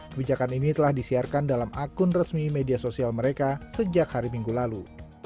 kebijakan ini telah disiarkan dalam akun resmi media sosial mereka sejak hari minggu lalu